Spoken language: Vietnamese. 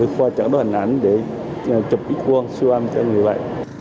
qua chợ đoàn ảnh để chụp ít quân siêu âm cho người vệ